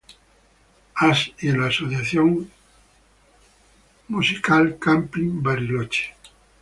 As., y en la Asociación Camping Musical Bariloche.